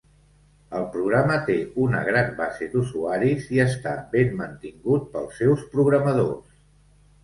El programa té una gran base d'usuaris i està ben mantingut pels seus programadors.